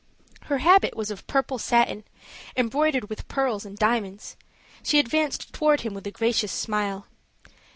Her habit was of purple satin, embroidered with pearls and diamonds; she advanced toward him with a gracious smile.